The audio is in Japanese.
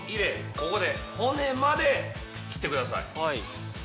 ここで骨まで切ってください。